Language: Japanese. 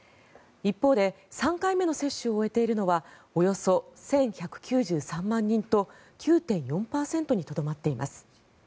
一方で３回目の接種を終えているのはおよそ１１９３万人と９．４％にとどまっています。